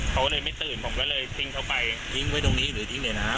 เขาเลยไม่ตื่นผมก็เลยทิ้งเขาไปทิ้งไว้ตรงนี้หรือทิ้งในน้ำ